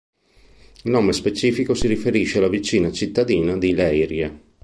Il nome specifico si riferisce alla vicina cittadina di Leiria.